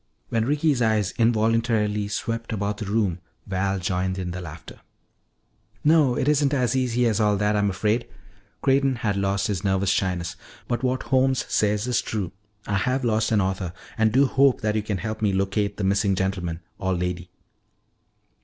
When Ricky's eyes involuntarily swept about the room, Val joined in the laughter. "No, it isn't as easy as all that, I'm afraid." Creighton had lost his nervous shyness. "But what Holmes says is true. I have lost an author and do hope that you can help me locate the missing gentleman or lady.